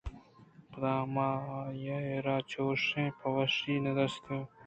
پدا ماآئی ءَ را چوشں پہ وشی نہ دیستگاں